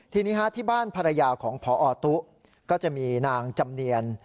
ทีนี้ที่บ้านภรรยาของพอตุ๊ก็จะมีนางจำเนียน